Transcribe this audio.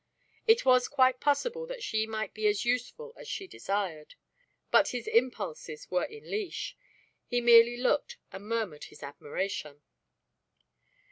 It was quite possible that she might be as useful as she desired. But his impulses were in leash. He merely looked and murmured his admiration.